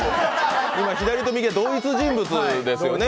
今、左と右は同一人物ですよね。